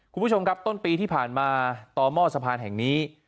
คุณผู้ชมครับต้นปีที่ผ่านมาต่อหม้อสะพานแห่งนี้